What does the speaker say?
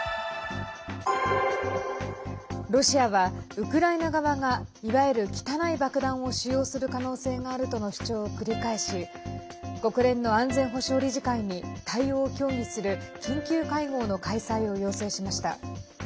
ロシアはウクライナ側がいわゆる汚い爆弾を使用する可能性があるとの主張を繰り返し国連の安全保障理事会に対応を協議する緊急会合の開催を要請しました。